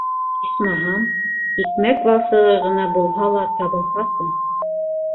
Исмаһам, икмәк валсығы ғына булһа ла табылһасы...